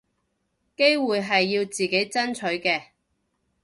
機會係要自己爭取嘅